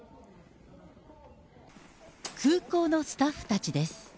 空港のスタッフたちです。